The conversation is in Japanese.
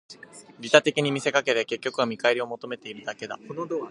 利他的に見せかけて、結局は見返りを求めているだけだ